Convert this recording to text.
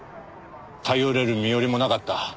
頼れる身寄りもなかった。